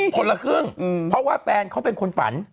คนละครึ่งเพราะว่าแฟนเขาเป็นคนฝัน